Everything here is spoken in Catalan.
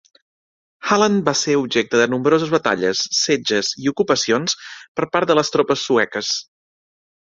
Halland va ser objecte de nombroses batalles, setges i ocupacions per part de les tropes sueques.